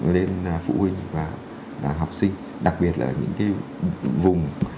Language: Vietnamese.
lên phụ huynh và học sinh đặc biệt là những cái vùng